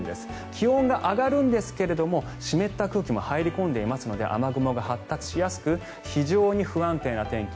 気温が上がるんですが湿った空気も入り込んでいますので雨雲が発達しやすく非常に不安定な天気。